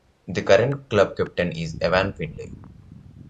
The current club captain is Ewan Findlay.